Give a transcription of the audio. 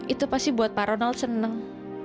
itu pasti buat pak ronald senang